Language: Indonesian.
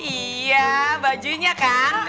iya bajunya kan